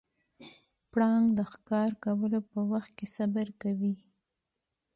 پړانګ د ښکار کولو په وخت کې صبر کوي.